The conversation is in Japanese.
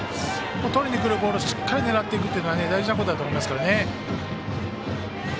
とりにくるボールをしっかり狙ってくるというのは大事なことだと思いますからね。